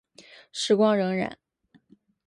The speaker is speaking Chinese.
时光荏苒。